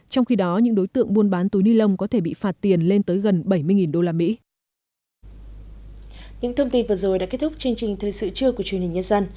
trong khi đó những đối tượng buôn bán túi ni lông có thể bị phạt tiền lên tới gần bảy mươi usd